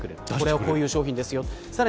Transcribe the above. これはこういう商品ですよと。